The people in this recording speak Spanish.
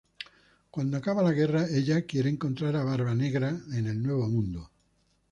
Cuando acaba la guerra, ella quiere encontrar a Barba Negra en el Nuevo Mundo.